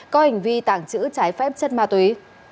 có hành vi tàng trữ trái phép chất ma túy